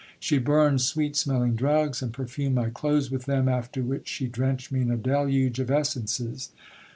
She burned sweet smelling drugs, and perfumed my clothes with them, after which she drenched me in a deluge of essences.